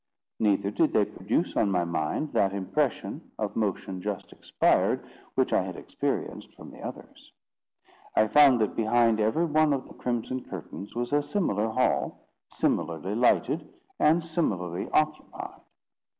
Neither did they produce on my mind that impression—of motion just expired, which I had experienced from the others. I found that behind every one of the crimson curtains was a similar hall, similarly lighted, and similarly occupied.